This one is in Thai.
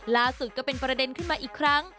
ล่าสุดก็เป็นประเด็นขึ้นมาอีกครั้ง